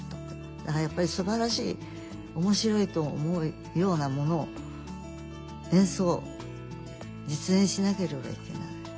だからやっぱりすばらしい面白いと思うようなものを演奏実演しなければいけない。